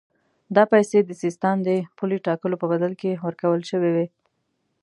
دا پیسې د سیستان د پولې ټاکلو په بدل کې ورکول شوې وې.